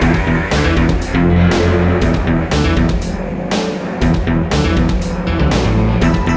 nggak jelas udah basa